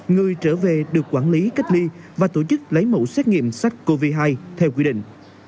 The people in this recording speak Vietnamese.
người trở về được quản lý cách ly và tổ chức lấy mẫu xét nghiệm sách covid một mươi chín theo quy định